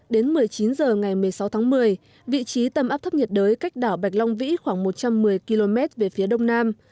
đến một mươi chín h ngày một mươi sáu tháng một mươi vị trí tâm áp thấp nhiệt đới cách đảo bạch long vĩ khoảng một trăm một mươi km về phía đông nam